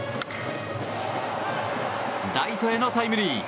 ライトへのタイムリー。